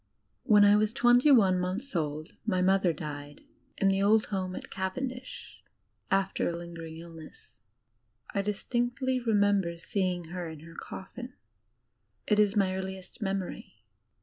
When I was twenty one months old my mother died, in the old home at Cavendish, after a lingering illness. I dis tincdy remember seeing her in her coffin it is my earliest memory.